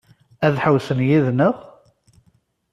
Ad ḥewwsen yid-neɣ?